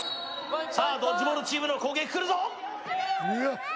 さあドッジボールチームの攻撃くるぞ！